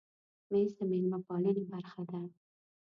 مېز د مېلمه پالنې برخه ده.